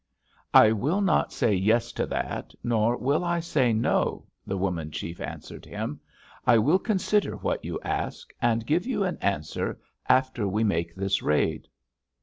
"'I will not say "yes" to that, nor will I say "no,"' the woman chief answered him. 'I will consider what you ask, and give you an answer after we make this raid.'